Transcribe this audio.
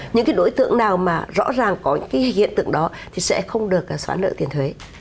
những cái đối tượng nào mà rõ ràng có những hiện tượng đó thì sẽ không được xóa nợ tiền thuế